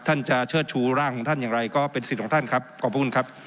ท่านจะเชิดชูร่างของท่านอย่างไรก็เป็นสิทธิ์ของท่านครับขอบคุณครับ